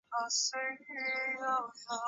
山号为龙口山。